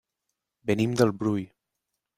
Venim del Brull.